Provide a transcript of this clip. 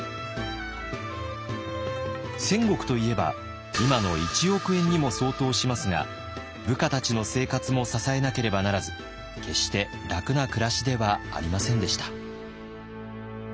１，０００石といえば今の１億円にも相当しますが部下たちの生活も支えなければならず決して楽な暮らしではありませんでした。